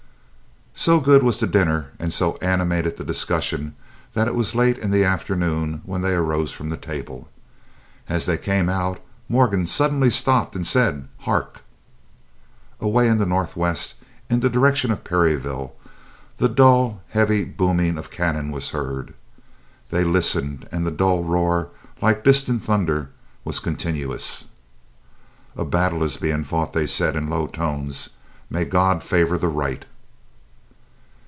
So good was the dinner and so animated the discussion, that it was late in the afternoon when they arose from the table. As they came out Morgan suddenly stopped and said, "Hark!" Away in the northwest, in the direction of Perryville, the dull heavy booming of cannon was heard. They listened and the dull roar, like distant thunder, was continuous. "A battle is being fought," they said, in low tones; "May God favor the right!"